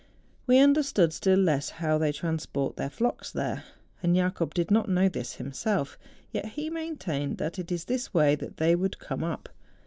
We understood still less how they transport their flocks there; and Jacob did not know this himself; yet he maintained that it is this way that they would come up.